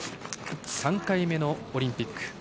３回目のオリンピック。